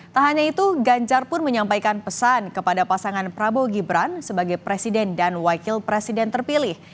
tak hanya itu ganjar pun menyampaikan pesan kepada pasangan prabowo gibran sebagai presiden dan wakil presiden terpilih